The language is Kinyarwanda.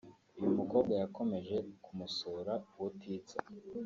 uyu mukobwa yakomeje kumusura ubutitsa